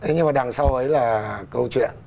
nhưng mà đằng sau ấy là câu chuyện